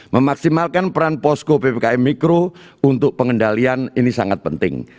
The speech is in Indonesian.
memaksimalkan peran posko ppkm mikro untuk pengendalian ini sangat penting